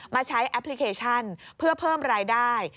ใช้แอปพลิเคชันเพื่อเพิ่มรายได้